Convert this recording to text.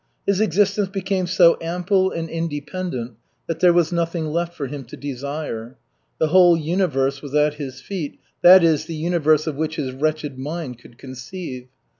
His existence became so ample and independent that there was nothing left for him to desire. The whole universe was at his feet, that is, the universe of which his wretched mind could conceive.